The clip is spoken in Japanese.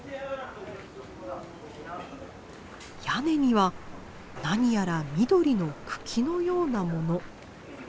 屋根には何やら緑の茎のような物。